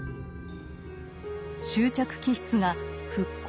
執着気質が復興